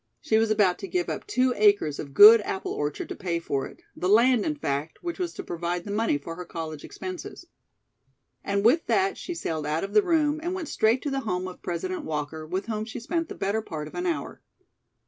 She was about to give up two acres of good apple orchard to pay for it; the land, in fact, which was to provide the money for her college expenses." And with that she sailed out of the room and went straight to the home of President Walker, with whom she spent the better part of an hour.